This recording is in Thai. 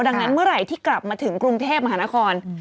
ดังนั้นเมื่อไหร่ที่กลับมาถึงกรุงเทพมหานคร